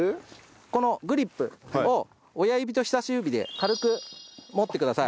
このグリップを親指と人さし指で軽く持ってください。